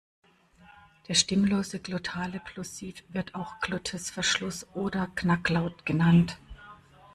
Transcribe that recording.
Der stimmlose glottale Plosiv wird auch Glottisverschluss oder Knacklaut genannt.